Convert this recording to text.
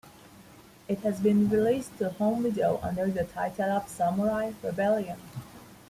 It has been released to home video under the title of "Samurai Rebellion".